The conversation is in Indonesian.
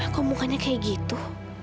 kok mukanya kayak gitu